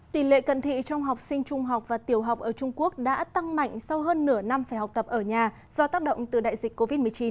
tỷ lệ cận thị trong học sinh trung học và tiểu học ở trung quốc đã tăng mạnh sau hơn nửa năm phải học tập ở nhà do tác động từ đại dịch covid một mươi chín